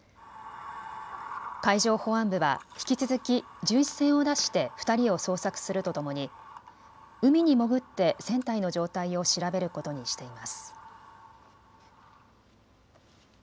海上保安部は引き続き巡視船を出して２人を捜索するとともに海に潜って船体の状態を調べることにしています。